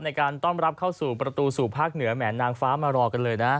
ในการต้อนรับเข้าสู่ประตูสู่ภาคเหนือแหมนางฟ้ามารอกันเลยนะ